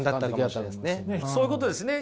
そういうことですね。